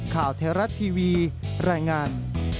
ข่าวแทรศ์ทีวีรายงาน